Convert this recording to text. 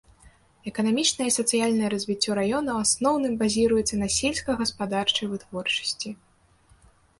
Эканамічнае і сацыяльнае развіццё раёна ў асноўным базіруецца на сельскагаспадарчай вытворчасці.